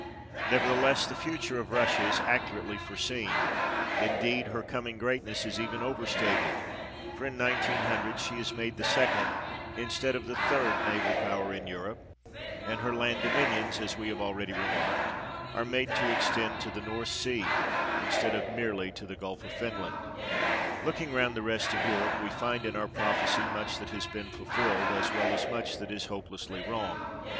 Nevertheless, the future of Russia is accurately foreseen ; indeed, her coming greatness is even overstated, for in 1900 she is made the second, instead of the third, naval power in Europe, and her land dominions as we have already remarked are made to extend to the North Sea, instead of merely to the Gulf of Finland. Looking round the rest of Europe, we find in our prophecy much that has been fulfilled, as well as much that is hopelessly wrong.